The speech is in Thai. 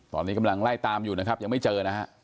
ตอนนี้กำลังไล่ตามอยู่นะครับยังไม่เจอนะฮะ